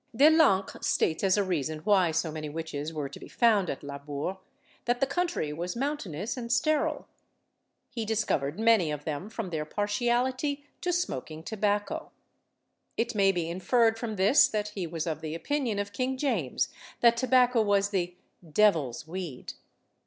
De l'Ancre states as a reason why so many witches were to be found at Labourt, that the country was mountainous and sterile! He discovered many of them from their partiality to smoking tobacco. It may be inferred from this that he was of the opinion of King James, that tobacco was the "devil's weed."